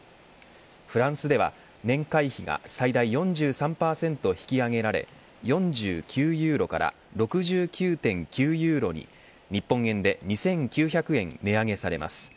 フランスでは年会費が最大４３％引き上げられ４９ユーロから６９．９ユーロに日本円で２９００円値上げされます。